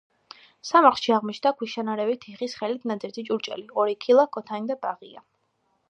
სამარხში აღმოჩნდა ქვიშანარევი თიხის ხელით ნაძერწი ჭურჭელი ორი ქილა, ქოთანი და ბაღია.